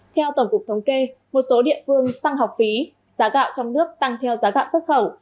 theo tổng cục thống kê một số địa phương tăng học phí giá gạo trong nước tăng theo giá gạo xuất khẩu